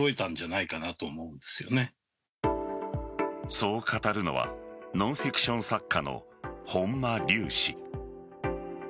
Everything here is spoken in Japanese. そう語るのはノンフィクション作家の本間龍氏。